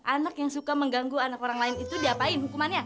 anak yang suka mengganggu anak orang lain itu diapain hukumannya